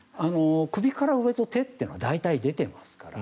首から上と、手というのは大体出ていますから